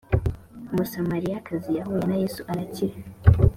Umusamariyakazi yahuye na yesu arakira